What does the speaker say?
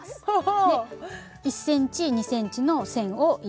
１ｃｍ２ｃｍの線を入れてあります。